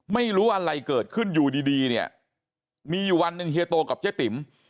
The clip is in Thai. ไม่รู้อะไรเกิดขึ้นอยู่ดีเนี่ยมีอยู่วันหนึ่งเฮียโตกับเจ๊ติ๋ม